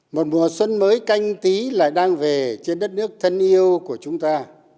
một mùa xuân mới canh tí lại đang về trên đất nước thân yêu của chúng ta